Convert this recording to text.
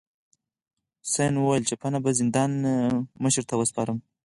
حسن وویل چپنه به زندان مشر ته وسپارم.